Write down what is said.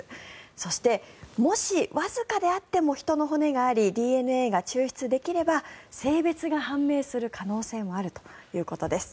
そしてもし、わずかであっても人の骨がありＤＮＡが抽出できれば性別が判明する可能性もあるということです。